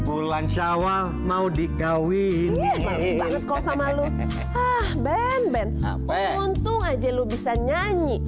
untung aja lo bisa nyanyi